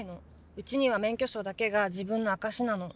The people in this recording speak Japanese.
うちには免許証だけが自分の証しなの。